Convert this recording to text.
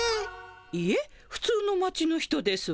いえふつうの町の人ですわ。